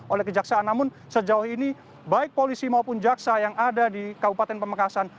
oleh kejaksaan namun sejauh ini baik polisi maupun jaksa yang ada di kabupaten pamekasan